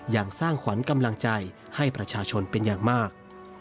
สร้างขวัญกำลังใจให้ประชาชนเป็นอย่างมาก